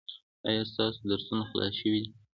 ایا ستاسو درسونه خلاص شوي دي؟